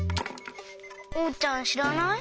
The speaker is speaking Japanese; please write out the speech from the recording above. おうちゃんしらない？